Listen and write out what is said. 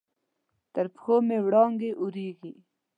تر پښو مې وړانګې اوریږې